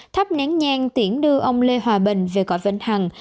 thắp nén nhang tiễn đưa ông lê hòa bình về cõi vĩnh hằng